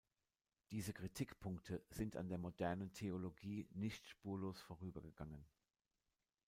Diese Kritikpunkte sind an der modernen Theologie nicht spurlos vorübergegangen.